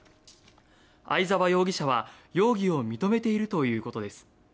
相沢容疑者は容疑を認めているということです。